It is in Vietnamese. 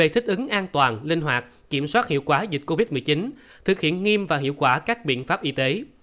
thích ứng an toàn linh hoạt kiểm soát hiệu quả dịch covid một mươi chín thực hiện nghiêm và hiệu quả các biện pháp y tế